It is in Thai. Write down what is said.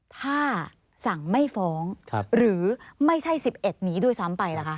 ถ้าสั่งไม่ฟ้องหรือไม่ใช่๑๑นี้ด้วยซ้ำไปล่ะคะ